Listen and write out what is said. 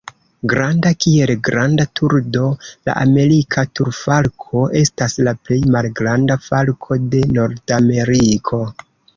Granda kiel granda turdo, la Amerika turfalko estas la plej malgranda falko de Nordameriko.